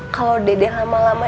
kalau dede lama lama